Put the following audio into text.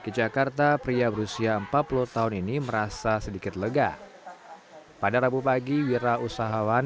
ke jakarta pria berusia empat puluh tahun ini merasa sedikit lega pada rabu pagi wira usahawan